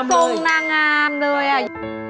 โซงน่ากลางเลย